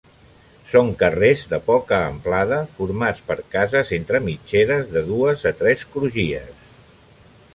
Són carrers de poca amplada, formats per cases entre mitgeres de dues a tres crugies.